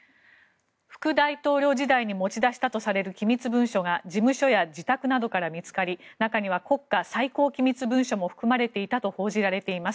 副大統領時代に持ち出したとされる機密文書が事務所や自宅などから見つかり中には国家最高機密文書も含まれていたと報じられています。